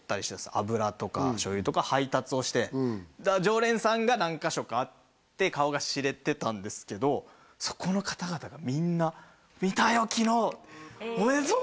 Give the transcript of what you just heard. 油とか醤油とか配達をしてだから常連さんが何か所かあって顔が知れてたんですけどそこの方々がみんな「見たよ昨日おめでとう！」